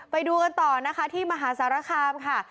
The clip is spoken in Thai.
ไปดูกันต่อนะคะที่มหาสารคามค่ะ